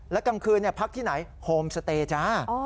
และกลางคืนพักที่ไหนโฮมสเตย์จ้า